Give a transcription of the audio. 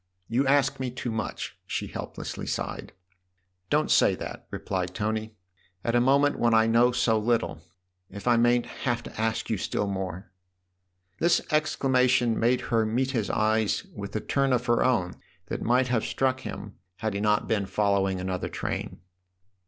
" You ask me too much !" she helplessly sighed. " Don't say that/' replied Tony, " at a moment when I know so little if I mayn't have to ask you still more !" This exclamation made her meet his eyes with a turn of her own that might have struck him had he not been following another train.